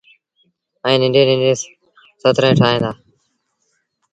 ائيٚݩ ننڍيٚݩ ننڍيٚݩ سٿريٚݩ ٺاهيݩ دآ۔